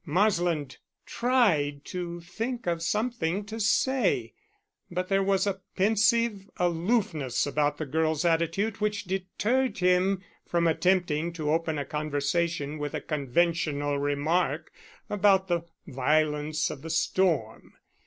Marsland tried to think of something to say, but there was a pensive aloofness about the girl's attitude which deterred him from attempting to open a conversation with a conventional remark about the violence of the storm.